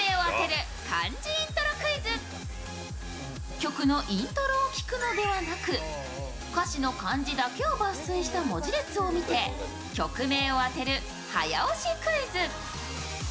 曲のイントロを聴くのではなく歌詞の漢字だけを抜粋した文字列を見て、曲名を当てる早押しクイズ。